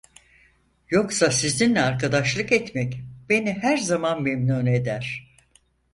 Yoksa sizinle arkadaşlık etmek beni her zaman memnun eder.